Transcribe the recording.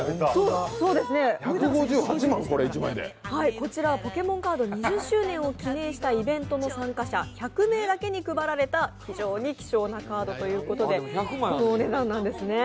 こちらはポケモンカード２０周年を記念したイベントで配られ、１００名だけに配られた非常に希少なカードということでこのお値段なんですね。